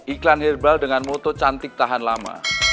iklan herbal dengan moto cantik tahan lama